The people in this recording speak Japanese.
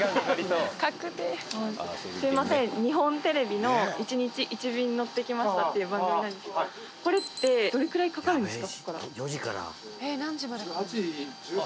すいません日本テレビの『１日１便乗ってきました』って番組なんですけどこれってどれぐらいかかるんですか？